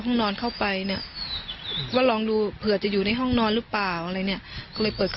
ห้องนอนเข้าไปเนี่ยว่าลองดูเผื่อจะอยู่ในห้องนอนหรือเปล่าอะไรเนี่ยก็เลยเปิด